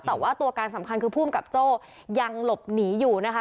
แต่ว่าตัวการสำคัญคือภูมิกับโจ้ยังหลบหนีอยู่นะคะ